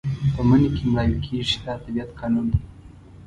په مني کې مړاوي کېږي دا د طبیعت قانون دی.